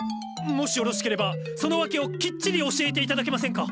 もしよろしければその訳をきっちり教えて頂けませんか？